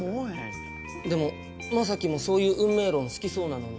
でも将希もそういう運命論好きそうなのに。